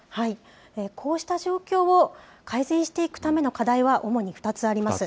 こうした状況を改善していくための課題は主に２つあります。